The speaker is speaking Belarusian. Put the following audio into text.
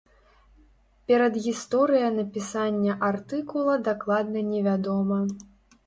Перадгісторыя напісання артыкула дакладна невядома.